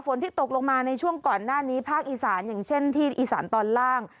ที่ตกลงมาในช่วงก่อนหน้านี้ภาคอีสานอย่างเช่นที่อีสานตอนล่าง